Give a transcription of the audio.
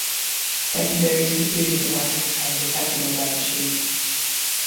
Secondary security devices are detectable by a machine.